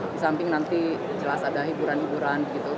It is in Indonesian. di samping nanti jelas ada hiburan hiburan